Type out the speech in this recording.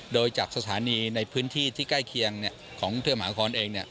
โดยจากสถานีในพื้นที่ที่ใกล้เคียงของกรุงเทพมหานครเอง